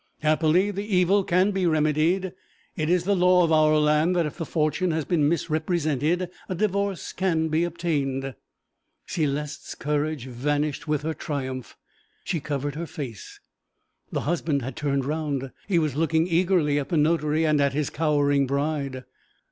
Happily, the evil can be remedied. It is the law of our land that if the fortune has been misrepresented, a divorce can be obtained.' Céleste's courage vanished with her triumph. She covered her face. The husband had turned round; he was looking eagerly at the notary and at his cowering bride.